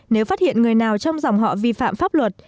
nếu phát hiện người nào trong dòng họ vi phạm pháp luật